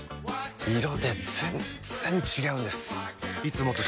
色で全然違うんです！